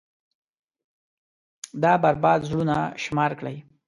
دا بـربـاد زړونه شمار كړئ.